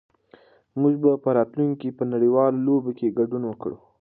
موږ به په راتلونکي کې په نړيوالو لوبو کې ګډون وکړو.